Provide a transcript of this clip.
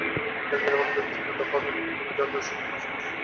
একদিন এমন ব্যক্তিও খেতাব পাবেন, একাত্তরে যার বয়স ছিল পাঁচ মাস।